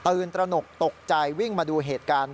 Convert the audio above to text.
ตระหนกตกใจวิ่งมาดูเหตุการณ์